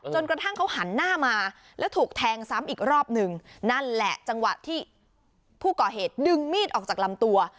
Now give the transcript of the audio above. กระทั่งเขาหันหน้ามาแล้วถูกแทงซ้ำอีกรอบหนึ่งนั่นแหละจังหวะที่ผู้ก่อเหตุดึงมีดออกจากลำตัว